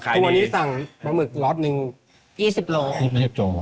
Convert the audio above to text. ทุกวันนี้สั่งปลาหมึกล็อตหนึ่ง๒๐โล๒๐โจ